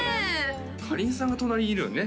かりんさんが隣にいるのにね